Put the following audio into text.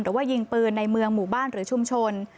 หรือว่ายิงปืนในเมืองหมู่บ้านหรือชุมชน